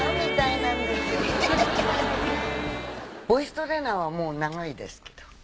ボイストレーナーはもう長いですけど。